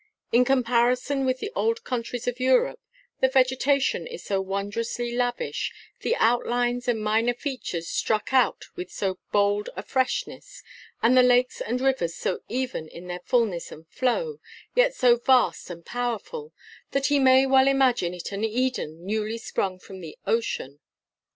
In comparison with the old countries of Europe, the vegetation is so wondrously lavish, the outlines and minor features struck out with so bold a freshness, and the lakes and rivers so even in their fulness and flow, yet so vast and powerful, that he may well imagine it an Eden newly sprung from the ocean.